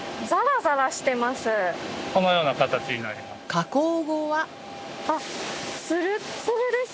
このような形になります。